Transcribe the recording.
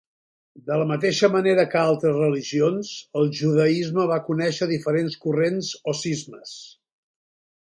De la mateixa manera que altres religions, el judaisme va conèixer diferents corrents o cismes.